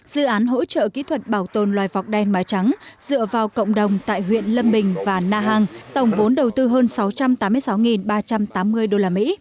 dự án hỗ trợ kỹ thuật bảo tồn loài vọc đen mái trắng dựa vào cộng đồng tại huyện lâm bình và na hàng tổng vốn đầu tư hơn sáu trăm tám mươi sáu ba trăm tám mươi usd